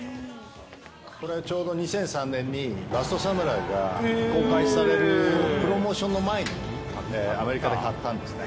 これはちょうど２００３年に、ラストサムライが公開されるプロモーションの前に、アメリカで買ったんですね。